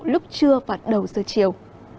lúc trưa và đầu giờ chiều